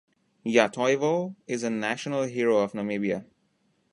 Ya Toivo is a national hero of Namibia.